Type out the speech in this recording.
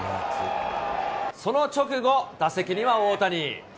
その直後、打席には大谷。